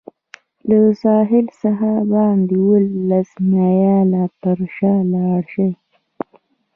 له ساحل څخه باید اوولس مایله پر شا لاړ شي.